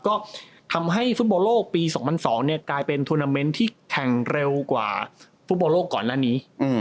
ก็ทำให้ฟุตบอลโลกปี๒๐๐๒กลายเป็นทวนาเมนต์ที่แข่งเร็วกว่าฟุตบอลโลกก่อนหน้านี้